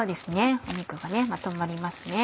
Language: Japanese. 肉がまとまりますね。